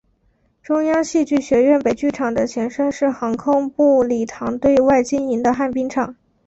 中央戏剧学院北剧场的前身是航空部礼堂对外经营的旱冰场。